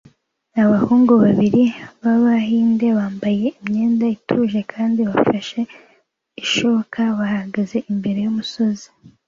Abahungu babiri b'Abahinde bambaye imyenda ituje kandi bafashe ishoka bahagaze imbere y'imisozi